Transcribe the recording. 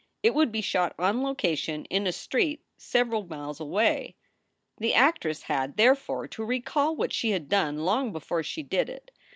It would be shot on location in a street several miles away. The actress had, therefore, to recall what she had done long before she did it.